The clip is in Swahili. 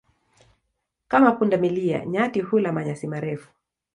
Kama punda milia, nyati hula manyasi marefu.